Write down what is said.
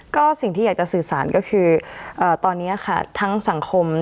ก็สิ่งที่อยากจะสื่อสารก็คือตอนนี้ค่ะทั้งสังคม